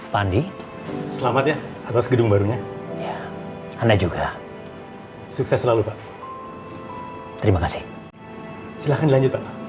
padi selamatnya atas gedung barunya anda juga sukses terima kasih silahkan